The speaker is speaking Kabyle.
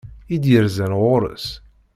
I d-yerzan ɣur-s.